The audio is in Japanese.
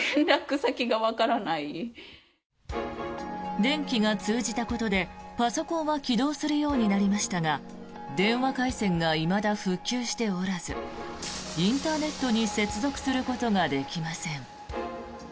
電気が通じたことでパソコンは起動するようになりましたが電話回線がいまだ復旧しておらずインターネットに接続することができません。